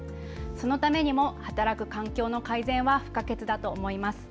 そのためにも働く環境の改善は不可欠だと思います。